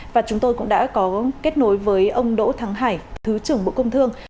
và chúng tôi cũng đã có kết nối với ông đỗ thắng hải thứ trưởng bộ công thương